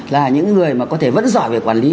là những người mà có thể vẫn giỏi về quản lý